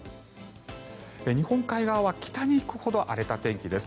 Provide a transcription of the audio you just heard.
日本海側は北に行くほど荒れた天気です。